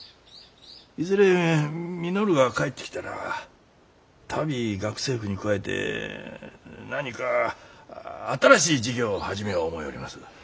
いずれ稔が帰ってきたら足袋学生服に加えて何か新しい事業を始みょう思ようります。